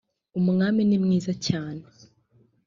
umwami nimwiza cyane